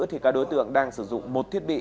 thì các đối tượng đang sử dụng một thiết bị